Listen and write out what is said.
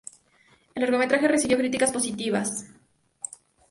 El largometraje recibió críticas positivas.